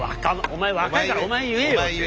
お前若いからお前言えよ。